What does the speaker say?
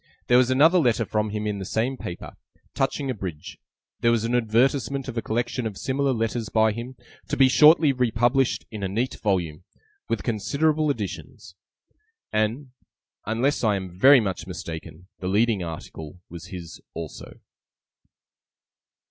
There was another letter from him in the same paper, touching a bridge; there was an advertisement of a collection of similar letters by him, to be shortly republished, in a neat volume, 'with considerable additions'; and, unless I am very much mistaken, the Leading Article was his also.